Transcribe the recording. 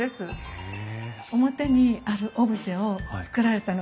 へえ。